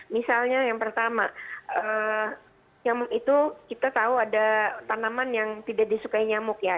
misalnya yang pertama nyamuk itu kita tahu ada tanaman yang tidak disukai nyamuk ya